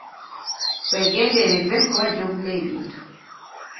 Weegendereze wa gy’ogula ebintu.